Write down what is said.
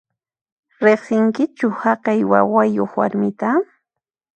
Riqsinkichu haqay wawayuq warmita?